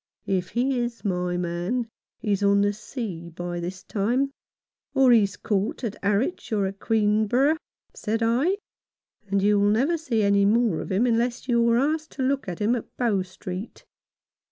" If he is my man, he's on the sea by this time, or he's caught at Harwich or at Oueenborough," said I, " and you'll never see any more of him unless you're asked to look at him at Bow Street.